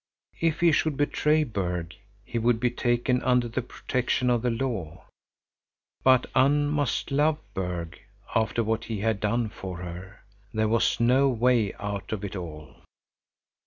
—If he should betray Berg, he would be taken under the protection of the law.—But Unn must love Berg, after what he had done for her. There was no way out of it all.